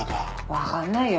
わかんないよ。